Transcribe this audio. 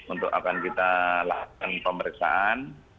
untuk akan kita lakukan pemeriksaan